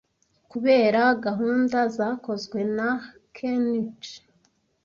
Kubera gahunda zakozwe na Ken'ichi,